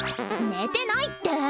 寝てないって！